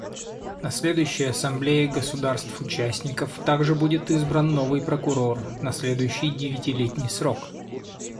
На следующей Ассамблее государств-участников также будет избран новый Прокурор на следующий девятилетний срок.